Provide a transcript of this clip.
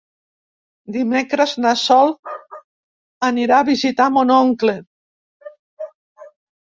Dimecres na Sol anirà a visitar mon oncle.